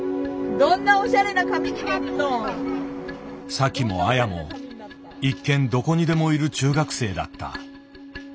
サキもアヤも一見どこにでもいる中学生だった。